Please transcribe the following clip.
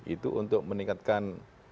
itu untuk meningkatkan